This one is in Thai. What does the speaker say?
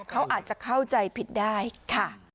เขาอาจจะเข้าใจผิดได้ค่ะ